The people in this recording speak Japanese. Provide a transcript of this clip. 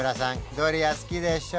ドリア好きでしょ？